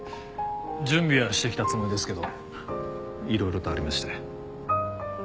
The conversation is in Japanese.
準備はしてきたつもりですけどいろいろとありまして。